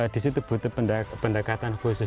di situ butuh pendekatan khusus